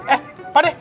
eh pak deh